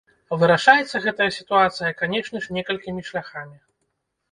Вырашаецца гэтая сітуацыя, канешне ж, некалькімі шляхамі.